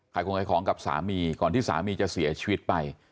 คงขายของกับสามีก่อนที่สามีจะเสียชีวิตไป